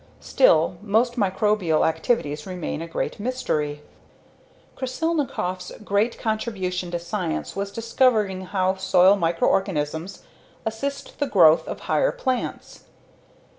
Still, most microbial activities remain a great mystery. Krasilnikov's great contribution to science was discovering how soil microorganisms assist the growth of higher plants.